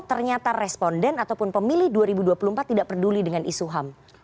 ternyata responden ataupun pemilih dua ribu dua puluh empat tidak peduli dengan isu ham